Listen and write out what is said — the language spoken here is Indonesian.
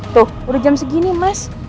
tuh udah jam segini mas